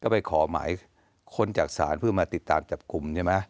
ไปขอหมายค้นจักษรเพื่อมาติดตามจับคุม